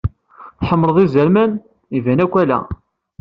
Tḥemmleḍ izerman? Iban akk ala.